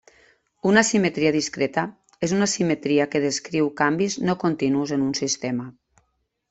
Una simetria discreta és una simetria que descriu canvis no continus en un sistema.